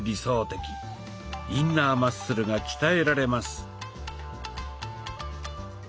インナーマッスルが鍛えられます。